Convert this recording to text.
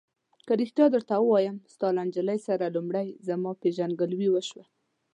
که رښتیا درته ووایم، ستا له نجلۍ سره لومړی زما پېژندګلوي وشوه.